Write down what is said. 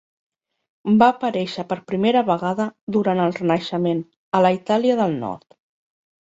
Va aparèixer per primera vegada durant el Renaixement, a la Itàlia del nord.